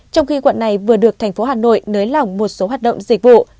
trong khi quận này vừa được thành phố hà nội nới lỏng một số hoạt động dịch vụ